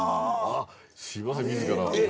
すいません自ら。